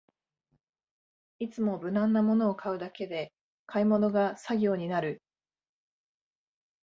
いつも無難なものを買うだけで買い物が作業になる